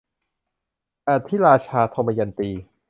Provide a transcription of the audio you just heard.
อธิราชา - ทมยันตี